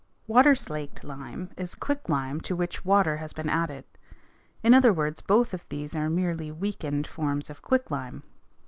Water slaked lime is quicklime to which water has been added. In other words, both of these are merely weakened forms of quicklime.